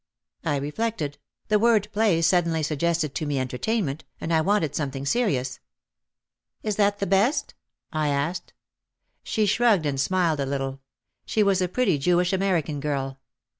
I reflected, the word play suddenly suggested to me entertainment and I wanted something serious. "Is that the best?" I asked. She shrugged and smiled a little. She was a pretty Jewish American girl.